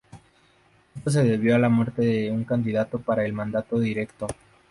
Esto se debió a la muerte de un candidato para el mandato directo.